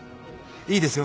いいですよ。